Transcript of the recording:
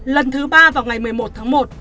lần thứ ba vào ngày một mươi một tháng một